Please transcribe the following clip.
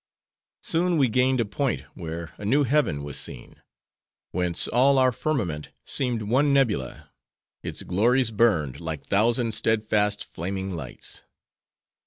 "Soon, we gained a point, where a new heaven was seen; whence all our firmament seemed one nebula. Its glories burned like thousand steadfast flaming lights.